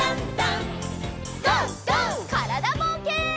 からだぼうけん。